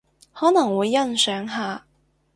可能會欣賞下